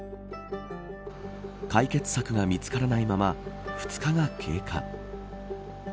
解決策が見つからないまま２日が経過。